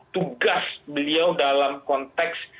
tugas beliau dalam konteks